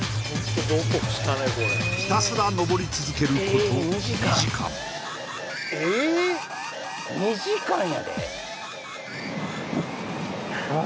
ひたすら登り続けること２時間ええっ！？